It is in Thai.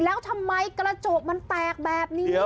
แล้วทำไมกระจกมันแตกแบบนี้